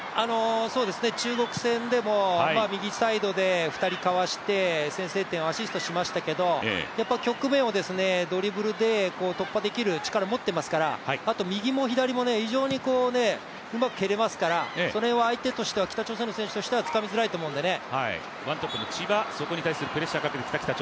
中国戦でも右サイドで２人かわして先制点をアシストしましたけど局面をドリブルで突破できる力持ってますからあと右も左も非常にうまく蹴れますからその辺を北朝鮮の選手としてはつかみづらいと思うんでね。